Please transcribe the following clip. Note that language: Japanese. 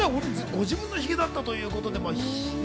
ご自分のおヒゲだったということで。